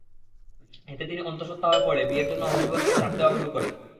এতে তিনি অন্তঃসত্ত্বা হয়ে পড়লে বিয়ের জন্য হবিবরকে চাপ দেওয়া শুরু করেন।